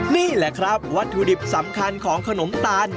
นี่แหละครับวัตถุดิบสำคัญของขนมตาล